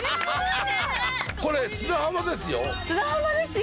これ砂浜ですよ。